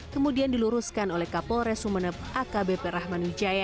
kemudian diluruskan oleh kapolres sumeneb akbp rahman wijaya